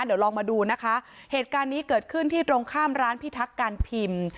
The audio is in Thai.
เดี๋ยวลองมาดูนะคะเหตุการณ์นี้เกิดขึ้นที่ตรงข้ามร้านพิทักษ์การพิมพ์